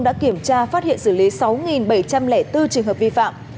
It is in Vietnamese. đã kiểm tra phát hiện xử lý sáu bảy trăm linh bốn trường hợp vi phạm